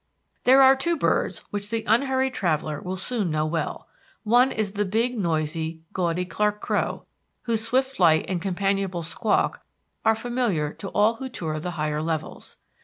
There are two birds which the unhurried traveller will soon know well. One is the big, noisy, gaudy Clark crow, whose swift flight and companionable squawk are familiar to all who tour the higher levels.